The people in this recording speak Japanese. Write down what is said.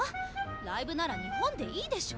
ライブなら日本でいいでしょう？